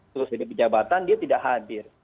terus jadi pejabatan dia tidak hadir